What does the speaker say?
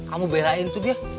kamu belain tuh dia